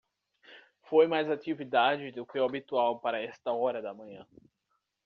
Foi mais atividade do que o habitual para esta hora da manhã.